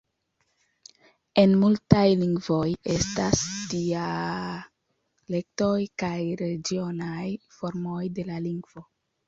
En multaj lingvoj estas dialektoj kaj regionaj formoj de la lingvo.